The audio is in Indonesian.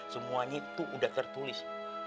semuanya tuh udah tertulis